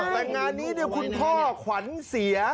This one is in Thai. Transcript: แต่งานนี้คุณพ่อขวัญเสีย